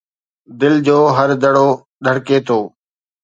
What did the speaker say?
دل جو هر دڙو ڌڙڪي ٿو